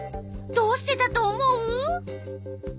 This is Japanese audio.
どうしてだと思う？